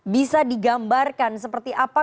bisa digambarkan seperti apa